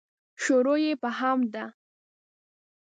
شروع یې په حمد ده.